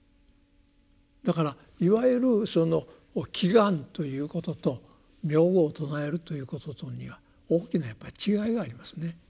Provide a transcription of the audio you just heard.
だからいわゆるその「祈願」ということと「名号を称える」ということとには大きなやっぱり違いがありますね。